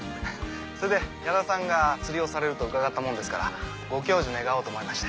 それで矢田さんが釣りをされるとうかがったものですからご教授願おうと思いまして。